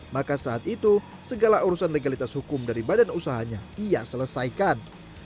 maka saat itu segala urusan legalitas hukum dari badan usahanya ia selesaikan